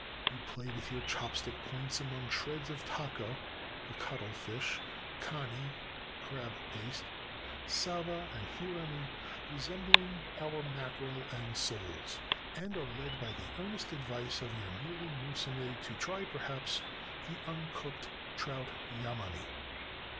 You play with your chopstick points among shreds of tako (the cuttle fish), kani (crab paste), saba and hirame, resembHng our mackerel and soles; and are led by the earnest advice of your kneeling musume to try, perhaps, the uncooked trout yamame.